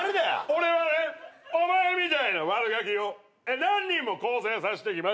俺はねお前みたいな悪ガキを何人も更生させてきました。